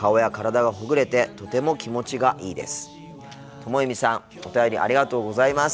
ともゆみさんお便りありがとうございます。